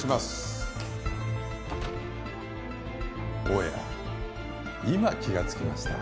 おや今気がつきました。